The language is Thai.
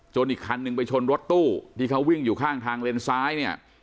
อีกคันนึงไปชนรถตู้ที่เขาวิ่งอยู่ข้างทางเลนซ้ายเนี่ย